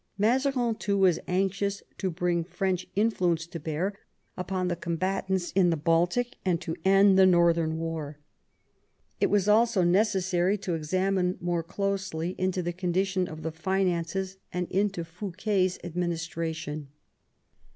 Mazarin, too, was anxious to bring French influence to bear upon the combatants in the Baltic and to end the northern war. It was also necessary to examine more closely into the condition of the finances and into Fouquet*s administration.